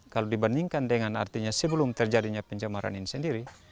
kalau dibandingkan dengan artinya sebelum terjadinya pencemaran ini sendiri